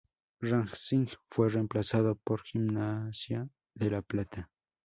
Racing fue reemplazado por Gimnasia de La Plata.